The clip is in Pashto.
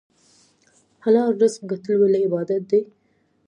حلال رزق ګټل ولې عبادت دی؟